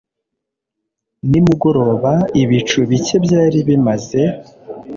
Nimugoroba, ibicu bike byari bimaze.